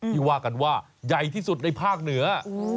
ว่ากันว่าใหญ่ที่สุดในภาคเหนือ